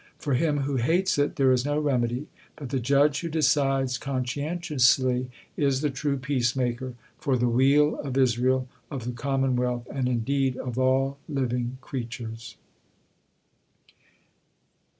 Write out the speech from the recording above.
For him who hates it, there is no remedy; but the judge who decides conscientiously is the true peacemaker, for the weal of Israel, of the commonwealth, and indeed of all living creatures.